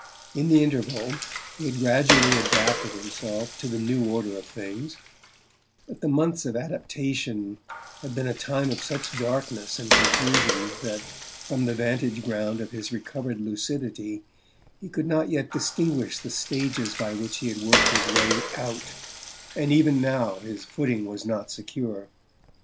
In the interval he had gradually adapted himself to the new order of things; but the months of adaptation had been a time of such darkness and confusion that, from the vantage ground of his recovered lucidity, he could not yet distinguish the stages by which he had worked his way out; and even now his footing was not secure.